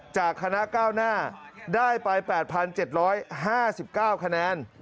จากคณะก้าวหน้าได้ไป๘๗๕๙คะแนน